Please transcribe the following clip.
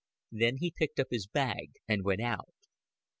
Then he picked up his bag and went out.